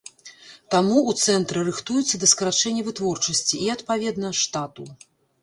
Таму ў цэнтры рыхтуюцца да скарачэння вытворчасці і, адпаведна, штату.